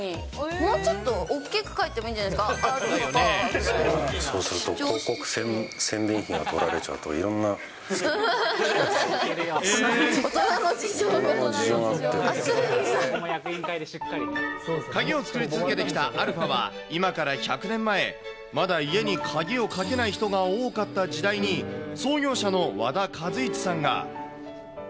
もうちょっと大きく書いてもいいんじゃないですか、そうすると、大人の事情が。鍵を作り続けてきたアルファは、今から１００年前、まだ家に鍵をかけない人が多かった時代に、創業者の和田和一さんが。